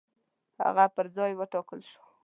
هغه پر ځای وټاکل شو.